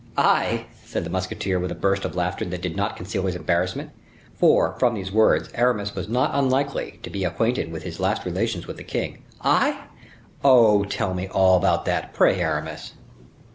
"I!" said the musketeer, with a burst of laughter that did not conceal his embarrassment: for, from those words, Aramis was not unlikely to be acquainted with his last relations with the king. "I! Oh, tell me all about that, pray, Aramis?"